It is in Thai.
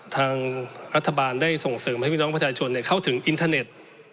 ทางรัฐบาลได้ส่งเสริมให้พี่น้องประชาชนเข้าถึงอินเทอร์เน็ต